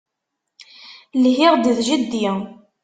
Lhiɣ-d d jeddi.